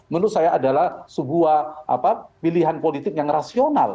menurut saya adalah sebuah pilihan politik yang rasional